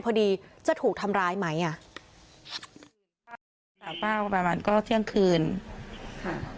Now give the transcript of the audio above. พอดีจะถูกทำร้ายไหมอ่ะจากป้าประมาณก็เที่ยงคืนค่ะ